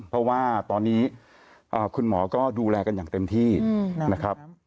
เพราะว่าตอนนี้คุณหมอก็ดูแลกันอย่างเต็มที่นะครับ